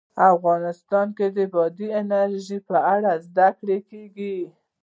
افغانستان کې د بادي انرژي په اړه زده کړه کېږي.